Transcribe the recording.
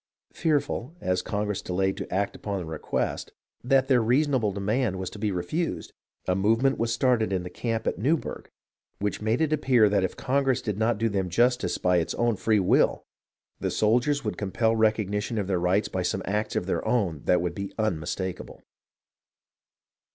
Fearful, as Congress delayed to act upon the request, that their reasonable demand was to be refused, a move ment was started in the camp at Newburgh which made it appear that if Congress did not do them justice by its own free will, the soldiers would compel recognition of their rights by some acts of their own that would be unmistakable.